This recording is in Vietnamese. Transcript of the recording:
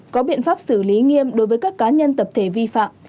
có biện pháp xử lý nghiêm đối với các cá nhân tập thể vi phạm